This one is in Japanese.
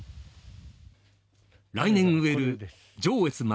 来年植える上越丸